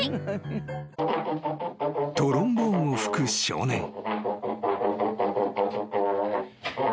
［トロンボーンを吹く少年］